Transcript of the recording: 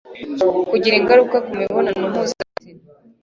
Kugira ingaruka ku mibonano mpuzabitsina